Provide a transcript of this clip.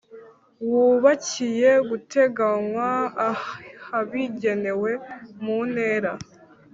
Wubakiye guteganywa ahabigenewe mu ntera